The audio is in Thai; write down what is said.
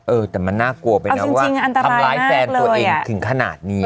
เออแต่มันน่ากลัวไปนะว่าทำร้ายแฟนตัวเองถึงขนาดนี้